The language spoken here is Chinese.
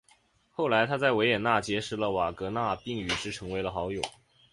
后来他在维也纳结识了瓦格纳并与之成为好友。